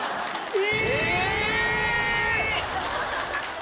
え‼